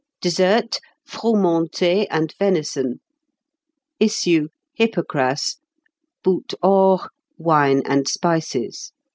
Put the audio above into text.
"Dessert. Froumentée and venison. "Issue. Hypocras. "Boute Hors. Wine and spices."